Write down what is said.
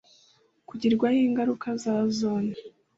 kugirwaho ingaruka na Zone